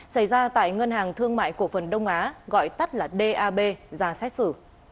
xảy ra tại ngân hàng thương mại cổ phần đông á gọi tắt là dab ra xét xử